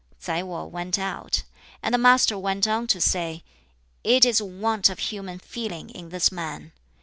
Tsai Wo went out. And the Master went on to say, "It is want of human feeling in this man.